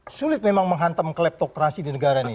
sulit memang menghantam kleptokrasi di negara ini